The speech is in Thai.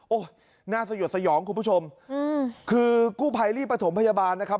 โอ้โหน่าสยดสยองคุณผู้ชมคือกู้ภัยรีบประถมพยาบาลนะครับ